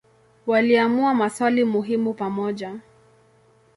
Waliamua maswali muhimu pamoja.